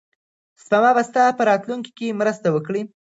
سپما به ستا په راتلونکي کې مرسته وکړي.